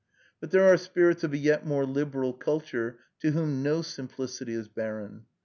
But there are spirits of a yet more liberal culture, to whom no simplicity is barren.